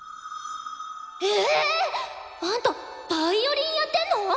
えっ！あんたヴァイオリンやってんの！？